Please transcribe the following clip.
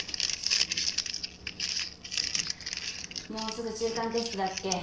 もうすぐ中間テストだっけ？